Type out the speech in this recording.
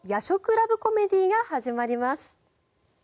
ラブコメディーが始まります。